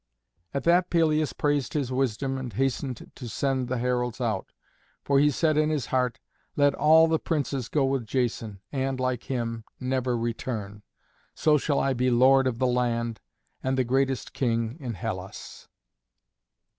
At that Pelias praised his wisdom and hastened to send the heralds out, for he said in his heart, "Let all the Princes go with Jason, and, like him, never return, so shall I be lord of the land and the greatest king in Hellas."